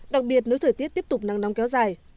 đặc biệt nếu thời tiết tiếp tục nắng nóng kéo dài